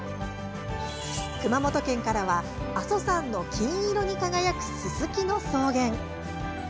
熊本県からは、阿蘇山の金色に輝くススキの草原。